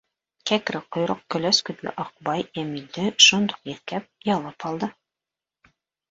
Кәкре ҡойроҡ, көләс күҙле Аҡбай Йәмилде шундуҡ еҫкәп, ялап алды.